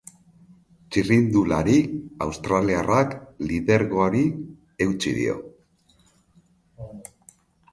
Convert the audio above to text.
Txirrindulari australiarrak lidergoari eutsi dio.